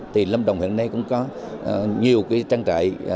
thì lâm đồng hiện nay cũng có nhiều trang trại